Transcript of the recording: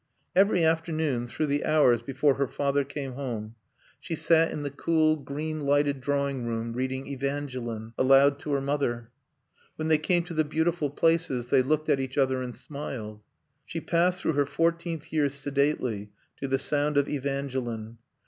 Every afternoon, through the hours before her father came home, she sat in the cool, green lighted drawing room reading Evangeline aloud to her mother. When they came to the beautiful places they looked at each other and smiled. She passed through her fourteenth year sedately, to the sound of Evangeline.